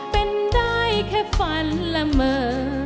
เป็นได้แค่ฝันละเมอ